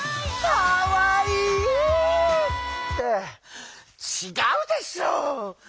かわいい！ってちがうでしょう！